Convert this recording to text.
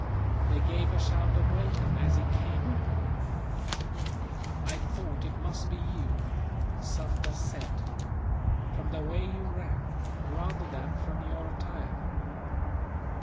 They gave a shout of welcome, as he came up. "I thought it must be you," Sufder said, "from the way you ran, rather than from your attire.